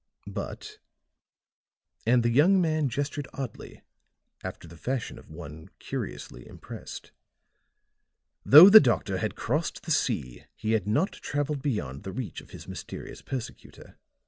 "But," and the young man gestured oddly, after the fashion of one curiously impressed, "though the doctor had crossed the sea he had not traveled beyond the reach of his mysterious persecutor.